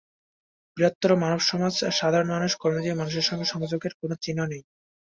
বৃহত্তর মানবসমাজ, সাধারণ মানুষ, কর্মজীবী মানুষের সঙ্গে সংযোগের কোনো চিহ্ন নেই।